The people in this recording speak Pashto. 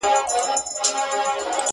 o مېړه چي مېړه وي، لور ئې چاړه وي.